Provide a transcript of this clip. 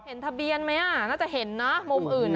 เห็นทะเบียนมั้ยอ่ะน่าจะเห็นนะมุมอื่นอ่ะ